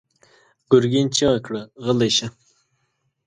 ګرګين چيغه کړه: غلی شه!